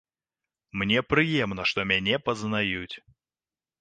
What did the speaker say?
Мне прыемна, што мяне пазнаюць.